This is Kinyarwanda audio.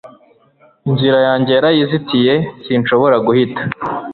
inzira yanjye yarayizitiye, sinshobora guhita